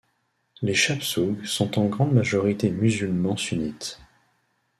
Les Chapsoughs sont en grande majorité musulmans sunnites.